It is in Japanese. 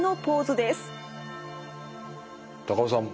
高尾さん